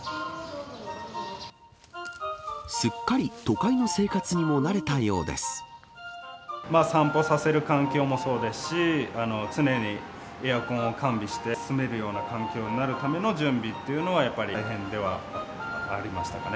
すっかり都会の生活にも慣れ散歩させる環境もそうですし、常にエアコンを完備して、住めるような環境になるための準備っていうのは、やっぱり大変ではありましたかね。